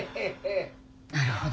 なるほど。